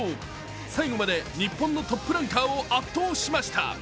最後まで日本のトップランカーを圧倒しました。